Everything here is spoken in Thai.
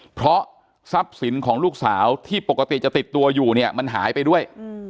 เพราะทรัพย์สินของลูกสาวที่ปกติจะติดตัวอยู่เนี่ยมันหายไปด้วย